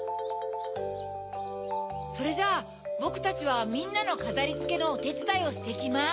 それじゃあぼくたちはみんなのかざりつけのおてつだいをしてきます。